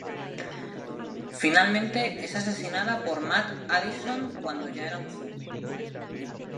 Finalmente es asesinada por Matt Addison cuando ya era un zombi.